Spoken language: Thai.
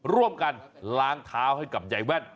ร่วมกันล้างเท้าให้กับยายแว่น